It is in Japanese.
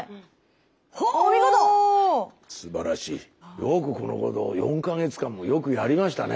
よくこのことを４か月間もよくやりましたね。